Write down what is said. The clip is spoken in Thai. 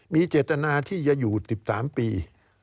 มีเจตนาที่จะอยู่๑๓ปี